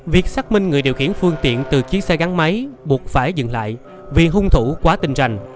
việc xác minh người điều khiển phương tiện từ chiếc xe gắn máy buộc phải dừng lại vì hung thủ quá tình rành